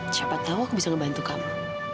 siapa tahu aku bisa membantu kamu